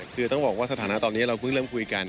คือต้องบอกว่าสถานะตอนนี้เราเพิ่งเริ่มคุยกัน